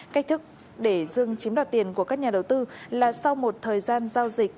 cách thức để dương chiếm đoạt tiền của các nhà đầu tư là sau một thời gian giao dịch